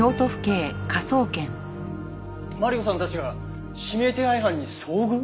マリコさんたちが指名手配犯に遭遇？